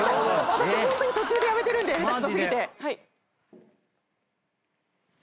私ホントに途中で辞めてるんで下手くそすぎて。